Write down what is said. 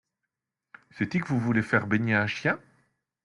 C’est-y que vous voulez faire baigner un chien ?